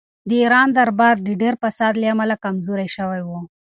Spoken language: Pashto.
د ایران دربار د ډېر فساد له امله کمزوری شوی و.